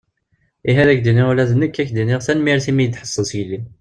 Ihi ad ak-d-iniɣ ula d nekk ad ak-d-iniɣ tanmirt imi iyi-d-tḥesseḍ zgelli.